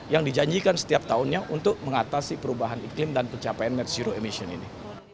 yang dijanjikan setiap tahunnya untuk mengatasi perubahan iklim dan pencapaian net zero emission ini